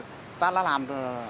chúng ta đã làm